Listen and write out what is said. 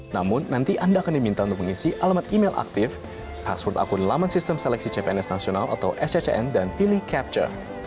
namun nanti anda akan diminta untuk mengisi alamat email aktif password akun laman sistem seleksi cpns nasional atau sccn dan pilih capture